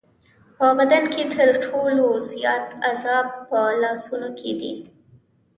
په بدن کې تر ټولو زیات اعصاب په لاسونو کې دي.